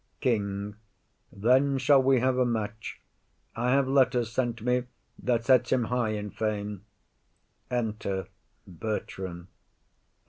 KING. Then shall we have a match. I have letters sent me That sets him high in fame. Enter Bertram.